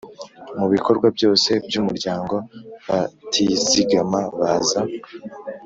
Mu bikorwa byose by umuryango batizigama baza